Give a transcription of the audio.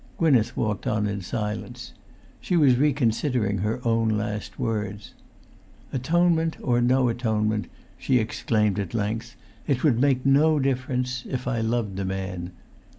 Gwynneth walked on in silence. She was reconsidering her own last words. "Atonement or no atonement," she exclaimed at length, "it would make no difference—if I loved the man.